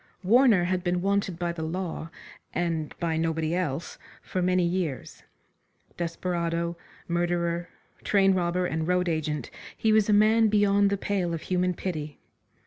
Warner had been wanted by the law, and by nobody else, for many years. Desperado, murderer, train robber and road agent, he was a man beyond the pale of human pity.